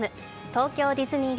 東京ディズニー